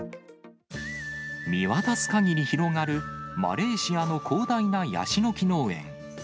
見渡すかぎり広がる、マレーシアの広大なヤシの木農園。